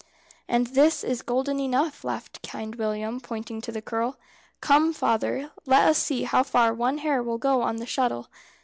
"And this is golden enough," laughed Kind William, pointing to the curl. "Come, father, let us see how far one hair will go on the shuttle."